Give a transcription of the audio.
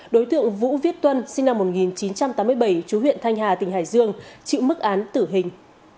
đối tượng vũ viết tuân sinh năm một nghìn chín trăm tám mươi bảy chú huyện thanh hà tỉnh hải dương chịu mức án tử hình